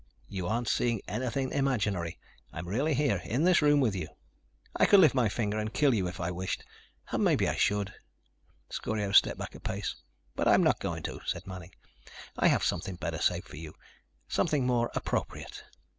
"You aren't seeing anything imaginary. I'm really here, in this room with you. I could lift my finger and kill you if I wished ... and maybe I should." Scorio stepped back a pace. "But I'm not going to," said Manning. "I have something better saved for you. Something more appropriate."